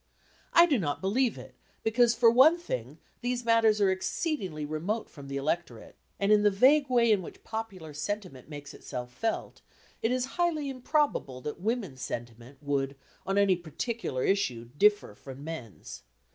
I do not believe it, because for one thing these matters are exceedingly remote from the electorate, and in the vague way in which popular sentiment makes itself felt it is highly improbable that women's sentiment would on any particular issue differ from men's.